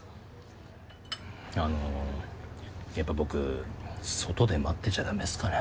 あのやっぱ僕外で待ってちゃだめっすかね？